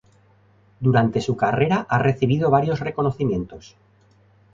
Durante su carrera ha recibido varios reconocimientos.